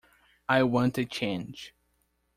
I want a change.